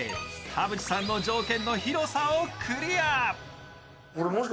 田渕さんの条件の広さをクリア。